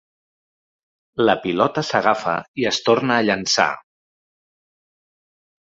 La pilota s'agafa i es torna a llançar.